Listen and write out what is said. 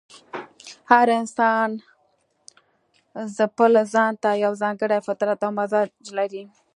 هر انسان ځپل ځان ته یو ځانګړی فطرت او مزاج لري.